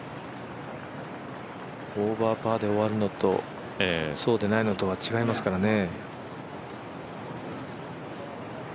オーバーパーで終わるのとそうでないのとは違いますからね。